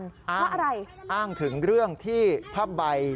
เพราะอะไรอ้างถึงเรื่องที่ผ้าใบ